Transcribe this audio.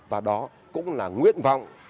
và đó cũng là nguyện vọng